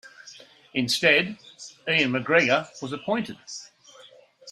Instead, Ian MacGregor was appointed.